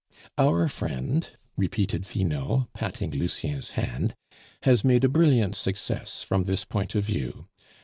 "Our friend," repeated Finot, patting Lucien's hand, "has made a brilliant success from this point of view.